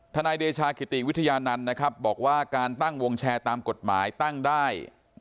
นายเดชากิติวิทยานันต์นะครับบอกว่าการตั้งวงแชร์ตามกฎหมายตั้งได้